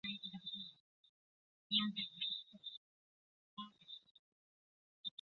寿峰乡是中国陕西省延安市宜川县下辖的一个乡。